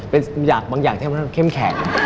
เป็นบางอย่างแค่เข้มแข่ง